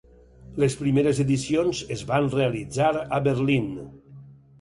Les primeres edicions es van realitzar a Berlín.